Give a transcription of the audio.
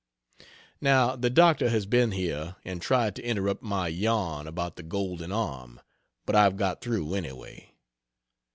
Now the doctor has been here and tried to interrupt my yarn about "The Golden Arm," but I've got through, anyway.